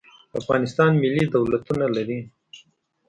افغانستان ملي دولتونه لري.